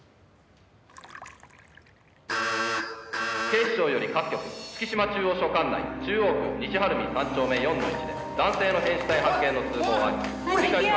「警視庁より各局」「月島中央署管内中央区西晴海３丁目４の１で男性の変死体発見の通報あり」